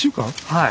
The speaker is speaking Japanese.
はい。